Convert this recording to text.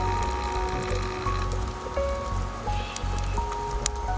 di kepulauan singa terdapat banyak tempat yang bisa anda temukan